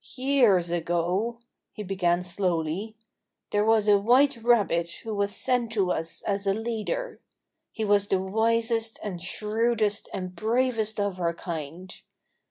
"Years ago," he began slowly, "there was a white rabbit who was sent to us as a leader. He was the wisest and shrewdest and bravest of our kind.